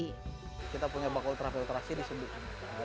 kita punya bak ultrafiltrasi disebut